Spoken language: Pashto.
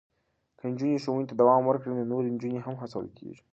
که نجونې ښوونې ته دوام ورکړي، نو نورې نجونې هم هڅول کېږي.